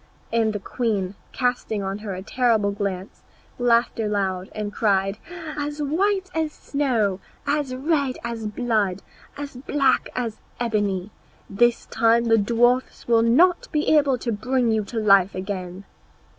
And the queen, casting on her a terrible glance, laughed aloud and cried, "As white as snow, as red as blood, as black as ebony! this time the dwarfs will not be able to bring you to life again."